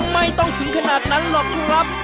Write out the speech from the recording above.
ไม่ต้องถึงขนาดนั้นหรอกครับ